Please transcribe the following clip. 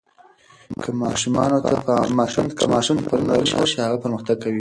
که ماشوم ته پاملرنه وشي، هغه پرمختګ کوي.